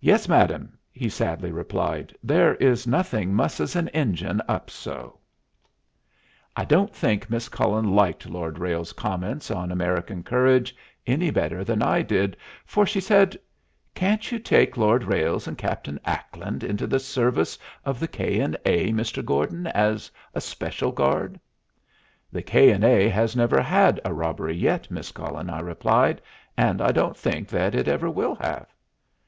'Yes, madam,' he sadly replied: 'there is nothing musses an engine up so.'" I don't think Miss Cullen liked Lord Ralles's comments on American courage any better than I did, for she said, "Can't you take Lord Ralles and Captain Ackland into the service of the K. & A., Mr. Gordon, as a special guard?" "The K. & A. has never had a robbery yet, Miss Cullen," I replied, "and I don't think that it ever will have."